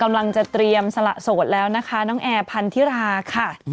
กำลังจะเตรียมสละโสดแล้วนะคะน้องแอร์พันธิราค่ะ